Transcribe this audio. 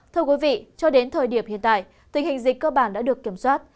thưa quý vị cho đến thời điểm hiện tại tình hình dịch cơ bản đã được kiểm soát